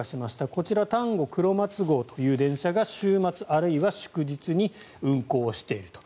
こちら丹後くろまつ号という電車が週末、あるいは祝日に運行していると。